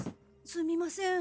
すみません。